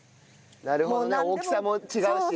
なるほどね大きさも違うし。